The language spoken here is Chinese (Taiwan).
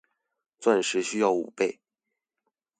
鑽石需要五倍